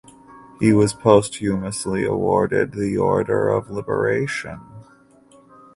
He was posthumously awarded the Order of Liberation.